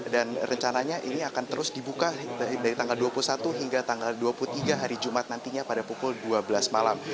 dan rencananya ini akan terus dibuka dari tanggal dua puluh satu hingga tanggal dua puluh tiga hari jumat nantinya pada pukul dua belas malam